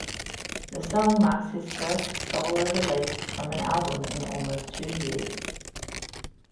The song marks his first solo release from an album in almost two years.